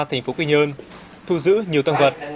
thành phố quy nhơn thu giữ nhiều toàn vật